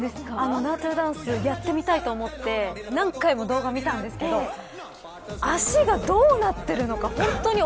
ナートゥダンスやってみたいと思って、何回も動画見たんですが足がどうなっているのか